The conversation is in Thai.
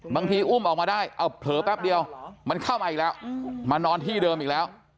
อุ้มออกมาได้เอาเผลอแป๊บเดียวมันเข้ามาอีกแล้วมานอนที่เดิมอีกแล้ว